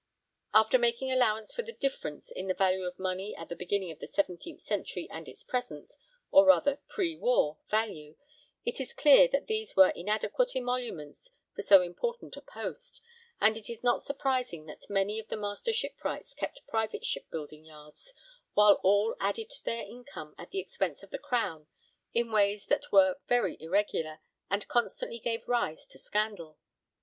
After making allowance for the difference in the value of money at the beginning of the seventeenth century and its present (or rather pre war) value, it is clear that these were inadequate emoluments for so important a post, and it is not surprising that many of the Master Shipwrights kept private shipbuilding yards, while all added to their income at the expense of the Crown in ways that were very irregular and constantly gave rise to scandal.